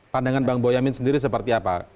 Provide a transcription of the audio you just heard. pandangan bang boyamin sendiri seperti apa